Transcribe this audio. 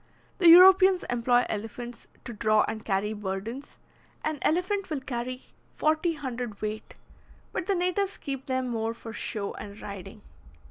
The Europeans employ elephants to draw and carry burdens an elephant will carry forty hundred weight; but the natives keep them more for show and riding.